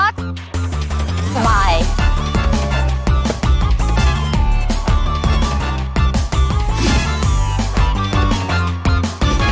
สวัสดีค่ะ